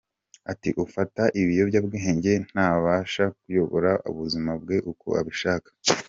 Ati “Ufata ibiyobyabwenge ntabasha kuyobora ubuzima bwe uko abishaka.